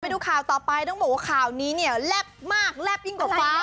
ดูข่าวต่อไปต้องบอกว่าข่าวนี้เนี่ยแลบมากแลบยิ่งกว่าฟ้า